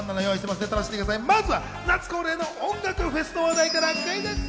まずは夏恒例の音楽フェスの話題からクイズッス！